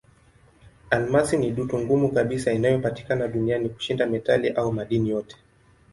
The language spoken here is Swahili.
Almasi ni dutu ngumu kabisa inayopatikana duniani kushinda metali au madini yote.